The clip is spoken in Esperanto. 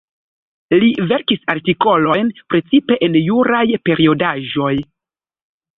Li verkis artikolojn precipe en juraj periodaĵoj.